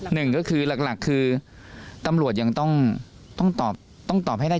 หนึ่งก็คือหลักคือตำรวจยังต้องตอบต้องตอบให้ได้